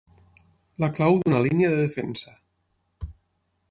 La clau d'una línia de defensa.